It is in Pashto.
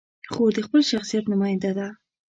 خور د خپل شخصیت نماینده ده.